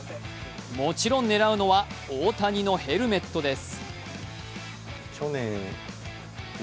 もちろん、狙うのは大谷のヘルメットです。